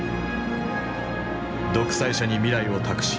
独裁者に未来を託し